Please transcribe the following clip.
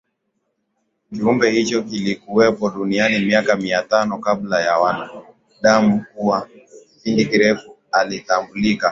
Kiumbe hicho kilikuwepo duniani miaka Mia tano kabla ya wanadamuKwa kipindi kirefu alitambulika